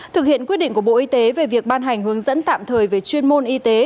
thực hiện quyết định của bộ y tế về việc ban hành hướng dẫn tạm thời về chuyên môn y tế